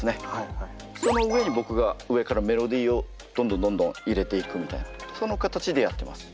その上に僕が上からメロディーをどんどんどんどん入れていくみたいなその形でやってます。